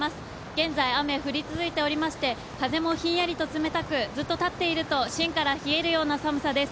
現在、雨、降り続いておりまして、風もひんやりと冷たく芯から冷えるような寒さです。